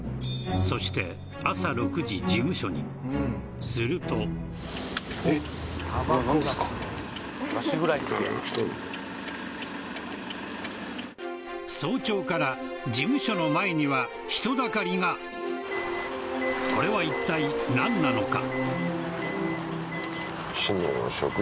そしてすると早朝から事務所の前には人だかりがこれは一体何なのか？